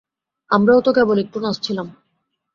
আমরাও তো কেবল একটু নাচছিলাম।